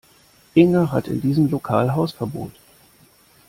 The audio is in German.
Inge hatte in diesem Lokal Hausverbot